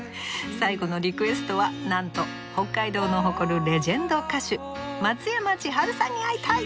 最後のリクエストはなんと北海道の誇るレジェンド歌手松山千春さんに会いたい！